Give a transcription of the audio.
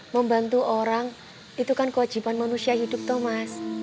membantu orang itu kan kewajiban manusia hidup thomas